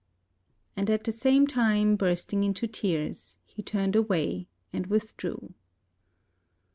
And at the same time, bursting into tears, he turned away and withdrew.